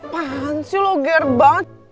pansi lu gerd banget